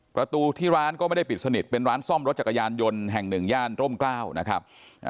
ประตูที่ร้านก็ไม่ได้ปิดสนิทเป็นร้านซ่อมรถจักรยานยนต์แห่งหนึ่งย่านร่มกล้าวนะครับ